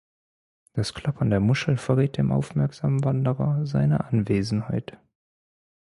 Das Klappern der Muscheln verrät dem aufmerksamen Wanderer seine Anwesenheit.